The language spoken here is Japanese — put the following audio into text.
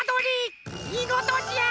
みごとじゃ！